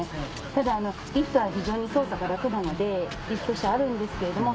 ただリフトは非常に操作が楽なのでリフト車あるんですけれども。